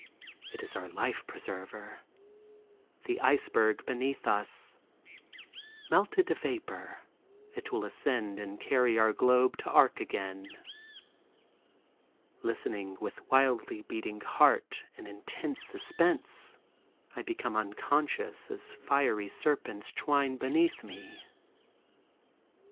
It is our life preserver—the iceberg beneath us. Melted to vapor it will ascend and carry our globe to Arc again. Listening with wildly beating heart in intense suspense, I become unconscious as fiery serpents twine beneath me.